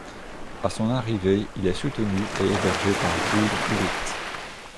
À son arrivée il est soutenu et hébergé par Ruud Gullit.